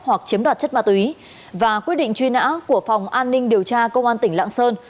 hoặc chiếm đoạt chất ma túy và quyết định truy nã của phòng an ninh điều tra công an tỉnh lạng sơn